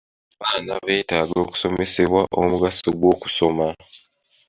Abaana beetaaga okusomesebwa omugaso gw'okusoma.